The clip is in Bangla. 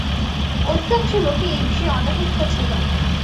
অধিকাংশ লোকই এই বিষয়ে অনভিজ্ঞ ছিল।